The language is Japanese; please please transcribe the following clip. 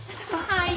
はい。